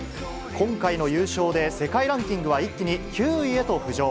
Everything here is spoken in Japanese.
今回の優勝で世界ランキングは一気に９位へと浮上。